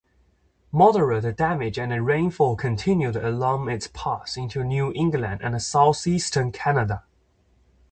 Moderate damage and rainfall continued along its path into New England and southeastern Canada.